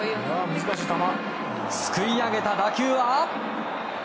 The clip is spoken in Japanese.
すくい上げた打球は。